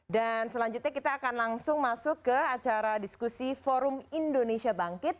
dan selanjutnya kita akan langsung masuk ke acara diskusi forum indonesia bangkit